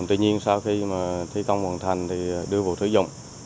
tuy nhiên sau khi mà thi công hoàn thành thì đưa vô thử dụng